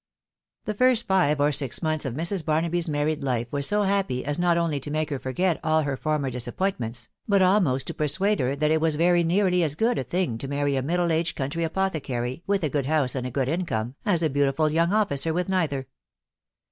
The first five or six months of Mrs. Barnaby's married life were so happy as not only to make her forget all her for mer disappointments, but almost to persuade her that it was very nearly as good a thing to marry a middle aged country apothecary, with a good house and a good income, as a beau tifu} young officer lyth neither.